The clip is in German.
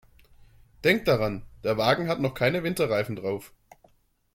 Denk daran, der Wagen hat noch keine Winterreifen drauf.